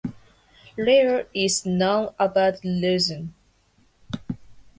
Little is known about Roesen.